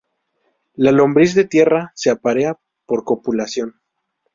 La lombriz de tierra se aparea por copulación.